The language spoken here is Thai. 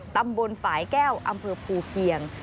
ตำบลฝ่ายแก้วอำเภอภูเพียง